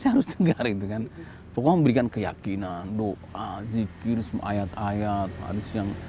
harus tegar pokoknya memberikan keyakinan doa zikir semua ayat ayat